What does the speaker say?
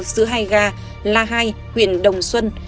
giữa hai ga la hai huyện đồng xuân